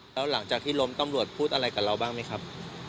แล้วหลังจากที่ล้มตำรวจพูดอะไรกับเราบ้างไหมครับ